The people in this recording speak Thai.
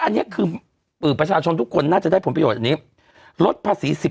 อันนี้คือประชาชนทุกคนน่าจะได้ผลประโยชนอันนี้ลดภาษี๑๐